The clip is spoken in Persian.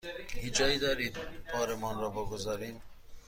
هیچ جایی دارید بارمان را بگذاریم؟